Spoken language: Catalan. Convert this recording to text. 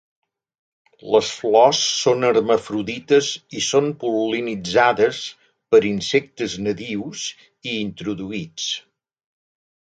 Les flors són hermafrodites i són pol·linitzades per insectes natius i introduïts.